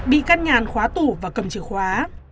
bị can nhàn khóa tủ và cầm chìa khóa